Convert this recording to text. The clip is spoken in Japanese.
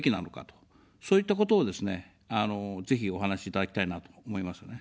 そういったことをですね、ぜひお話しいただきたいなと思いますね。